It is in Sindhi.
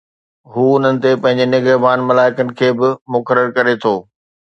هو انهن تي پنهنجي نگهبان ملائڪن کي به مقرر ڪري ٿو